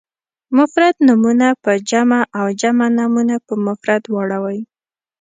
مفرد نومونه په جمع او جمع نومونه په مفرد واړوئ.